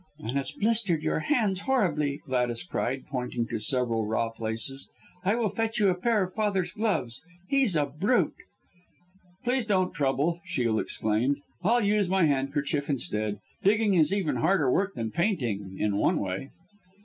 "And it's blistered your hands horribly!" Gladys cried, pointing to several raw places. "I will fetch you a pair of father's gloves he's a brute!" "Please don't trouble," Shiel exclaimed, "I'll use my handkerchief instead. Digging is even harder work than painting in one way."